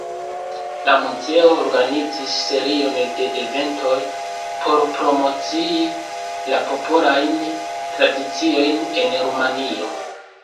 La muzeo organizis serion de eventoj por promocii la Popolajn Tradiciojn en Rumanio.